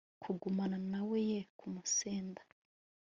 kugumana na we ye kumusenda